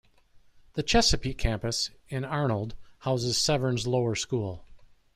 The Chesapeake Campus in Arnold houses Severn's Lower School.